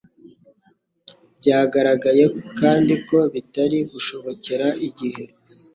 Byagaragaye kandi ko bitari gushobokera igihe